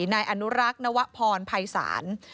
นายอนุรักษ์นวพรภัยศาล